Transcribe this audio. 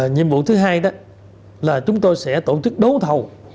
nhiệm vụ thứ hai đó là chúng tôi sẽ tổ chức đấu thầu